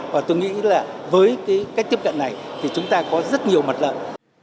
và tôi nghĩ là với cái cách tiếp cận này thì chúng ta có rất nhiều mặt lợi